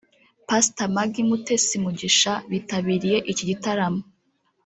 Pastor Maggie Mutesi Mugisha bitabiriye iki gitaramo